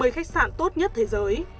năm mươi khách sạn tốt nhất thế giới